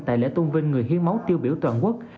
tại lễ tôn vinh người hiến máu tiêu biểu toàn quốc